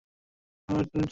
অর্থাৎ ঊনকোটিটি।